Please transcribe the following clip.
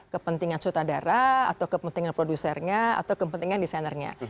kepentingan sutradara atau kepentingan produsernya atau kepentingan desainernya